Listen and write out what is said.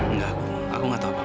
nggak bu aku nggak tahu bapak